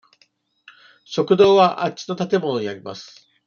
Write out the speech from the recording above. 食堂はあっちの建物にあります。